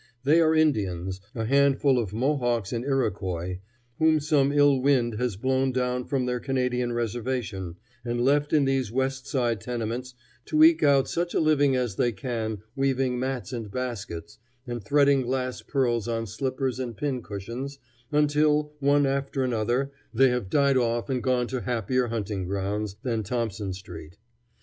They are Indians, a handful of Mohawks and Iroquois, whom some ill wind has blown down from their Canadian reservation, and left in these West Side tenements to eke out such a living as they can weaving mats and baskets, and threading glass pearls on slippers and pin cushions, until, one after another, they have died off and gone to happier hunting grounds than Thompson street.